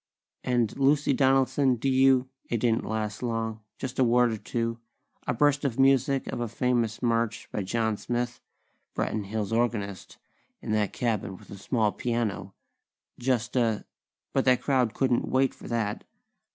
"And Lucy Donaldson, do you...?" It didn't last long. Just a word or two; a burst of music of a famous march by John Smith, Branton Hills' organist, in that cabin with a small piano; just a But that crowd couldn't wait for that!